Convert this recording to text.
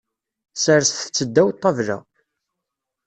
Serset-tt ddaw ṭṭabla.